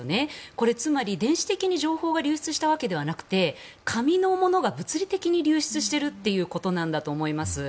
これ、つまり電子的に情報が流出したわけではなく紙が物理的に流出しているんだと思います。